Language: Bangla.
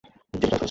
জেডি কল করেছিল।